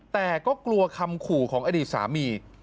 แต่ก็กลัวคำขู่ของอดีตสามี